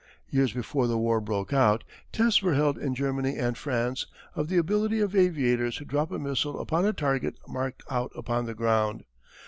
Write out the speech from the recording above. Years before the war broke out, tests were held in Germany and France of the ability of aviators to drop a missile upon a target marked out upon the ground.